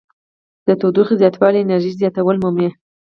د تودوخې زیاتوالی انرژي زیاتوالی مومي.